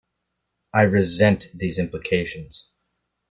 I resent these implications.